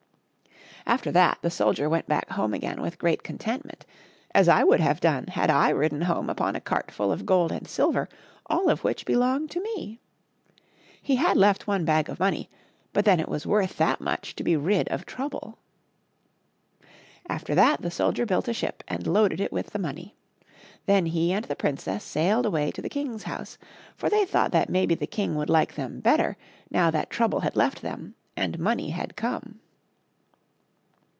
After that the soldier went back home again with great contentment — as I would have done had I ridden home upon a cart full of gold and silver, all of which belonged to me. He had left one bag of money, but then it was worth that much to be rid of Trouble. After that the soldier built a ship and loaded it with the money. Then he and the princess sailed away to the king's house, for they thought that 36 HOW ONE TURNED HIS TROUBLE TO SOME ACCOUNT. maybe the king would like them better now that Trouble had left them and money had come.